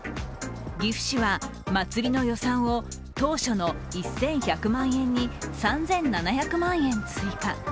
岐阜市は祭りの予算を当初の１１００万円に３７００万円追加。